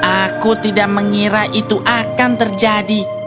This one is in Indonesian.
aku tidak mengira itu akan terjadi